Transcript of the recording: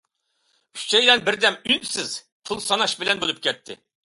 ئۈچەيلەن بىردەم ئۈنسىز پۇل ساناش بىلەن بولۇپ كەتتى.